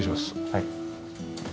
はい。